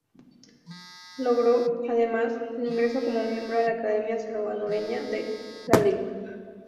Logró, además, el ingreso como miembro a la Academia Salvadoreña de la Lengua.